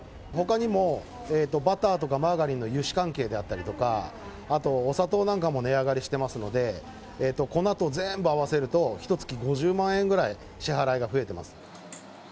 ほかにもバターとかマーガリンの油脂関係であったりとか、あと、お砂糖なんかも値上がりしてますので、粉と全部合わせると、ひとつき５０万円ぐらい、支払いが増えてます。